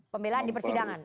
pembelaan di persidangan